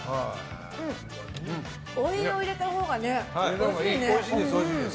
追いを入れたほうがおいしいね。